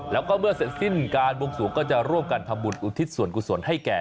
แล้วก็เมื่อเสร็จสิ้นการบวงสวงก็จะร่วมกันทำบุญอุทิศส่วนกุศลให้แก่